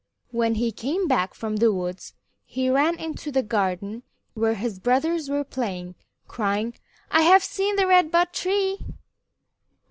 When he came back from the woods he ran into the garden where his brothers were playing, crying, "I have seen the Red Bud Tree."